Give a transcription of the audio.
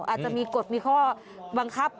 อาจจะมีกฎมีข้อบังคับ